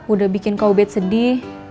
udah bikin kak ubed sedih